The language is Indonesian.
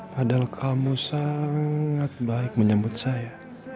padahal kamu sangat baik menyambut saya